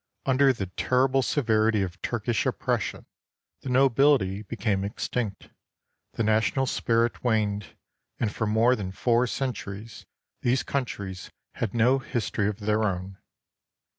Under the terrible severity of Turkish oppression, the nobility became extinct, the national spirit waned, and for more than four centuries these coun tries had no history of their own.